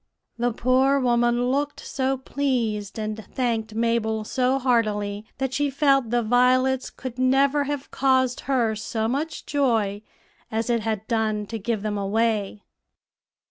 '" The poor woman looked so pleased, and thanked Mabel so heartily, that she felt the violets could never have caused her so much joy as it had done to give them away.